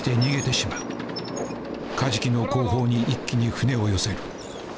カジキの後方に一気に船を寄せる。